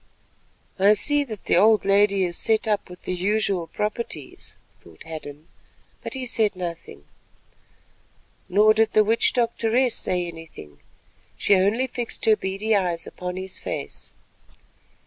"I see that the old lady is set up with the usual properties," thought Hadden, but he said nothing. Nor did the witch doctoress say anything; she only fixed her beady eyes upon his face.